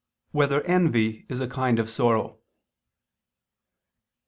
1] Whether Envy Is a Kind of Sorrow?